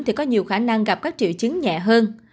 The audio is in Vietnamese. thì có nhiều khả năng gặp các triệu chứng nhẹ hơn